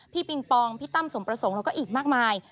ปิงปองพี่ตั้มสมประสงค์แล้วก็อีกมากมาย